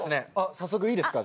早速いいですか？